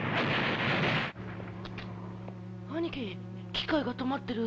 兄貴、機械が止まってる。